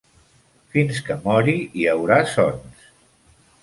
Fins que mori hi haurà sons.